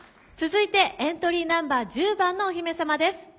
続いてエントリーナンバー１０番のお姫様です。